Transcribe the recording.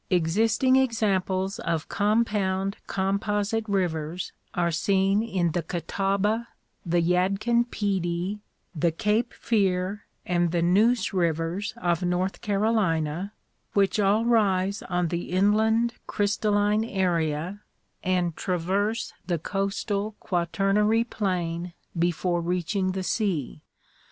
Existing examples of compound, composite: rivers are seen in the Catawba, the Yadkin Pedee, the Cape Fear and the Neuse rivers of North Carolina, which all rise on the inland crystalline area, and traverse the coastal quaternary plain before reaching the sea.